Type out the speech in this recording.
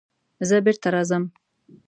زه بېرته راځم.